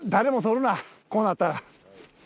こうなったら。